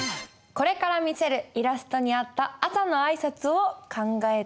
これから見せるイラストに合った朝の挨拶を考えて下さい。